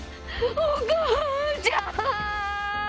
お母ちゃん！